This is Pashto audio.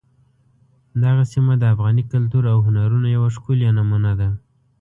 دغه سیمه د افغاني کلتور او هنرونو یوه ښکلې نمونه ده.